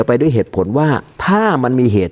การแสดงความคิดเห็น